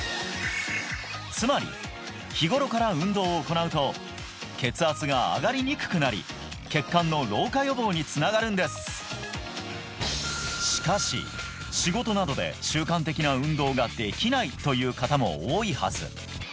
つまり日頃から運動を行うと血圧が上がりにくくなり血管の老化予防につながるんですしかし仕事などでという方も多いはず